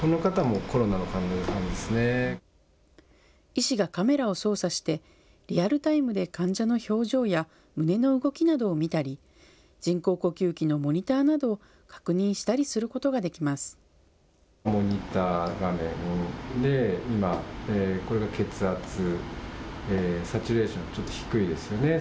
医師がカメラを操作してリアルタイムで患者の表情や胸の動きなどを見たり人工呼吸器のモニターなどを確認したりすることができます。